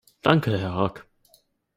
Danke, Herr Rack.